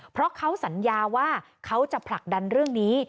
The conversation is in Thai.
เพราะเขาสัญญาว่าเขาจะผลักดันเรื่องนี้